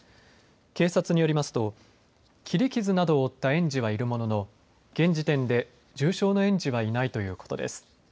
警察によりますと切り傷などを負った園児はいるものの現時点で重傷の園児はいないということです。